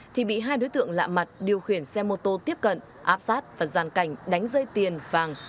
thì bị hai đối tượng lạ mặt điều khiển xe mô tô tiếp cận áp sát và giàn cảnh đánh dây tiền vàng